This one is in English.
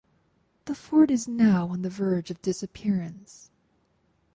The fort is now on the verge of disappearance.